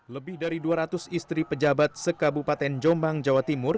lebih dari dua ratus istri pejabat sekabupaten jombang jawa timur